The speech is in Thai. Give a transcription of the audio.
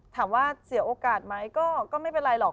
ถามว่าเสียโอกาสไม้ก็มันยังไว้บอก